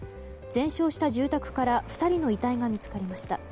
全焼した住宅から２人の遺体が見つかりました。